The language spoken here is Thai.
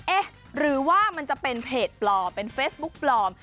เอ๊ะหรือว่ามันจะเป็นเพจปลอมเป็นเฟซบุ๊กปลอม